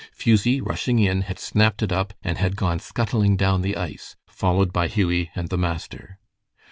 Fusie, rushing in, had snapped it up and had gone scuttling down the ice, followed by Hughie and the master.